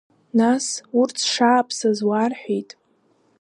Нас, урҭ сшааԥсаз уарҳәеит?